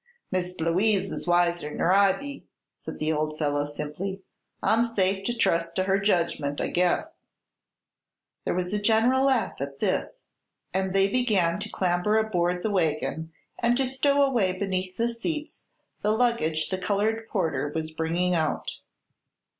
"Miss Louise is wiser ner I be," said the old fellow simply; "I'm safe to trust to her jedgment, I guess." There was a general laugh, at this, and they began to clamber aboard the wagon and to stow away beneath the seats the luggage the colored porter was bringing out.